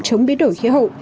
chống biến đổi khí hậu